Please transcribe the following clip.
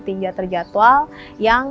tinja terjadwal yang